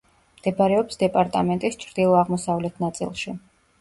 მდებარეობს დეპარტამენტის ჩრდილო-აღმოსავლეთ ნაწილში.